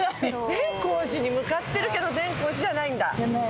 善光寺に向かってるけど善光寺じゃないんだ？じゃない。